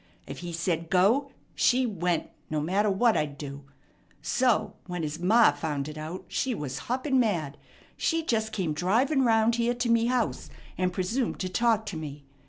If he said, 'Go,' she went, no matter what I'd do. So, when his ma found it out, she was hoppin' mad. She jest came driving round here to me house, and presumed to talk to me.